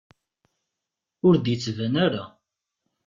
Ur d-yettban ara.